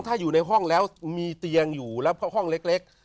ถ้าอยู่ในห้องแล้วมีเตียงอยู่แล้วเพราะห้องเล็ก